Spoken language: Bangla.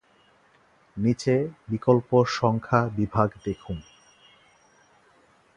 নীচে বিকল্প সংখ্যা বিভাগ দেখুন।